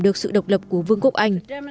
được sự độc lập của vương quốc anh